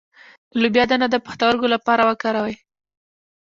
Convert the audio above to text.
د لوبیا دانه د پښتورګو لپاره وکاروئ